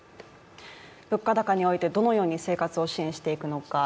物価高において、どのように生活を支援していくのか、